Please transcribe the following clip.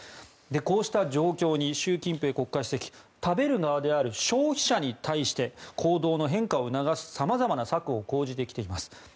こうした状況に習近平国家主席食べる側である消費者に対して行動の変化を促す様々な策を講じてきています。